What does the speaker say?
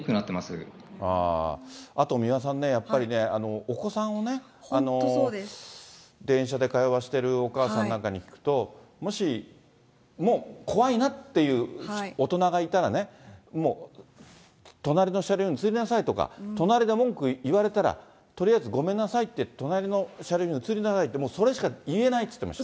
あと、三輪さんね、やっぱりね、お子さんをね、電車で通わせてるお母さんなんかに聞くと、もし、もう怖いなっていう大人がいたらね、もう、隣の車両に移りなさいとか、隣で文句言われたら、とりあえずごめんなさいって言って、隣の車両に移りなさいって、それしか言えないって言ってました。